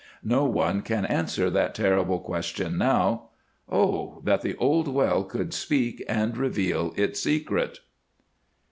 No one can answer that terrible question now. Oh! that the old well could speak and reveal its secret."